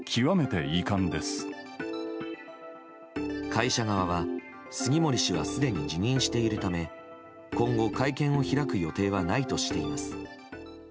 会社側は杉森氏はすでに辞任しているため今後、会見を開く予定はないとしています。